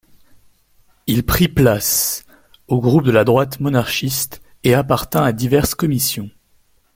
Il prit place au groupe de la droite monarchiste, et appartint à diverses commissions.